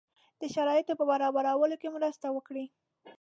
د شرایطو په برابرولو کې مرسته وکړي.